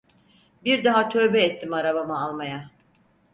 Bir daha tövbe ettim arabama almaya…